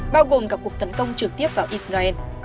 bao gồm cả cuộc tấn công trực tiếp vào israel